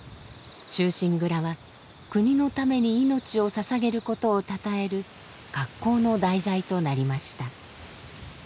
「忠臣蔵」は国のために命を捧げることをたたえる格好の題材となりました。